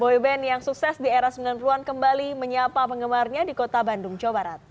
boyband yang sukses di era sembilan puluh an kembali menyapa penggemarnya di kota bandung jawa barat